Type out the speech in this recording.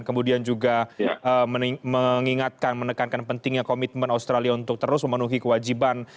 kemudian juga mengingatkan menekankan pentingnya komitmen australia untuk terus memenuhi kewajiban